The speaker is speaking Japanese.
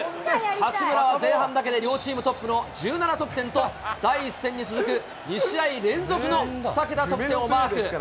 八村は前半だけで両チームトップの１７得点と、第１戦に続く２試合連続の２桁得点をマーク。